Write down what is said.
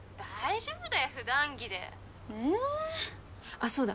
あっそうだ。